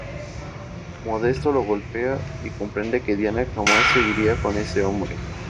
Modesto lo golpea y comprende que Diana jamás se iría con ese hombre.